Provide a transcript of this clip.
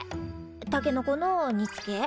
たけのこの煮つけ？